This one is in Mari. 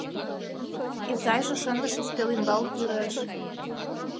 Изайже шындыш ӱстелӱмбал тӱреш